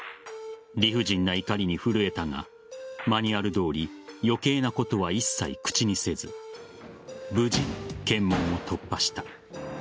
理不尽な怒りに震えたがマニュアルどおり余計なことは一切口にせず無事、検問を突破した。